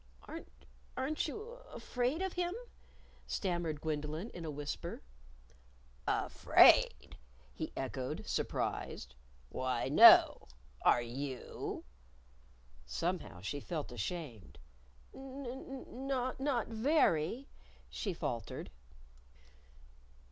"Aren't aren't you afraid of him?" stammered Gwendolyn, in a whisper. "Afraid?" he echoed, surprised. "Why, no! Are you?" Somehow, she felt ashamed. "N n not very," she faltered.